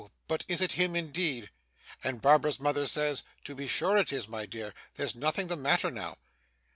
but is it him indeed?' and Barbara's mother says 'To be sure it is, my dear; there's nothing the matter now.